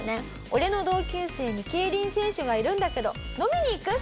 「俺の同級生に競輪選手がいるんだけど飲みに行く？」。